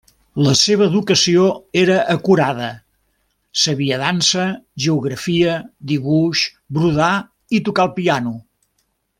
La seva educació era acurada; sabia dansa, geografia, dibuix, brodar i tocar el piano.